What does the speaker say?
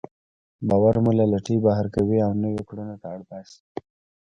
باور مو له لټۍ بهر کوي او نويو کړنو ته اړ باسي.